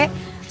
saya mah parete